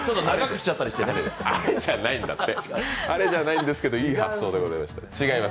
あれじゃないんですけど、いい発想でした。